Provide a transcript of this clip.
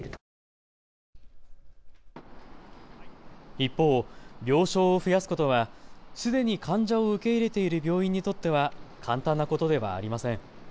一方、病床を増やすことはすでに患者を受け入れている病院にとっては簡単なことではありません。